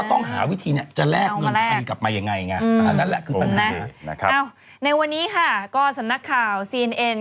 แต่ประมาทคือคนไทยไปลงทุนที่ลาวเยอะยากไหมเยอะ